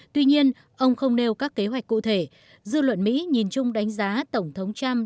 tuy nhiên ông không nêu các kế hoạch cụ thể dư luận mỹ nhìn chung đánh giá tổng thống trump